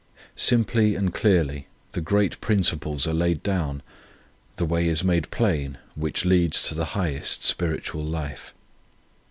Simply and clearly the great principles are laid down, the way is made plain which leads to the highest spiritual life.